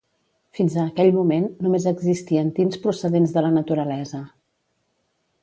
Fins a aquell moment, només existien tints procedents de la naturalesa.